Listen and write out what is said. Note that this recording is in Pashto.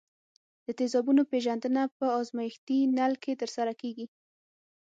د تیزابونو پیژندنه په ازمیښتي نل کې ترسره کیږي.